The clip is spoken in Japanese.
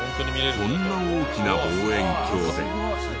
こんな大きな望遠鏡で。